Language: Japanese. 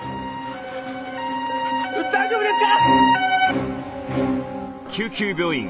大丈夫ですか！？